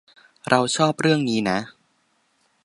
เราชอบเรื่องนี้นะ